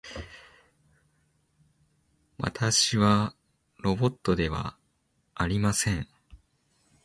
私はロボットではありません。